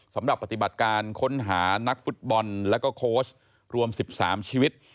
สำหรับปฏิบัติการค้นหานักฟุตบอลและก็โคชรวมศิลประมาณ๑๓ชีวิต